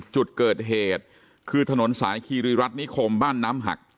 จุดเกิดเหตุคือถนนสายคีรีรัฐนิคมบ้านน้ำหัก